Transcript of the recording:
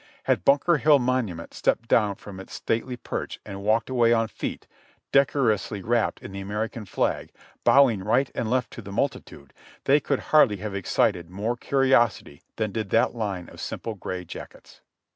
Had Bunker Hill Monument stepped down from its stately perch and walked away on feet, decorously wrapped in the American flag, bowing right and left to the multitude, they could hardly have excited more curiosity than did that line of simple gray jackets.